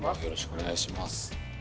よろしくお願いします。